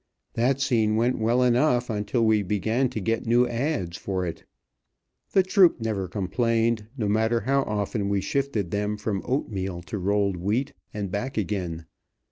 That scene went well enough until we began to get new ads. for it. The troup never complained, no matter how often he shifted them from oatmeal to rolled wheat and back again.